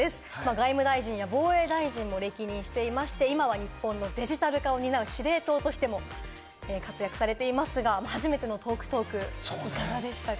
外務大臣や防衛大臣を歴任していまして、今は日本のデジタル化を担う司令塔としても活躍されていますが、初めてのｔａｌｋ×ｔａｌｋ、いかがでしたか？